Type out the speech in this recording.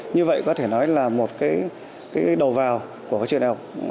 như vậy có thể nói là một cái đầu vào của trường đại học